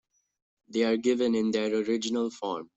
They are given in their original form.